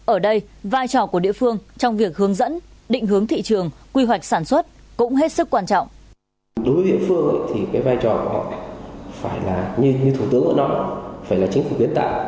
ở đây vai trò của địa phương trong việc hướng dẫn định hướng thị trường quy hoạch sản xuất cũng hết sức quan trọng